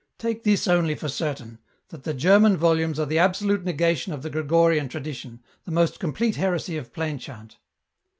. take this only for certain, that the German volumes are the absolute negation of the Gregorian tradi tion, the most complete heresy of plain chant."